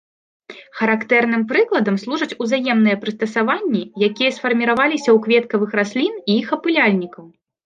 Характэрным прыкладам служаць узаемныя прыстасаванні, якія сфарміраваліся ў кветкавых раслін і іх апыляльнікаў.